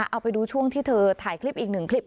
เอาไปดูช่วงที่เธอถ่ายคลิปอีกหนึ่งคลิป